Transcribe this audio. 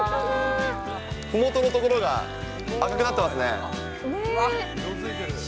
ふもとの所が赤くなっていますね。